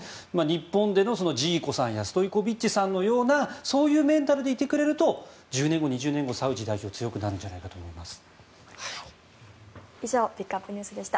日本でのジーコさんやストイコビッチさんのようなそういうメンタルでいてくれると１０年後、２０年後サウジ代表強くなるんじゃないかと思います。